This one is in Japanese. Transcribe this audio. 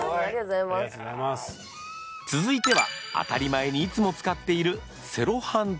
続いては当たり前にいつも使っている。